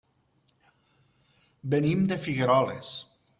Venim de Figueroles.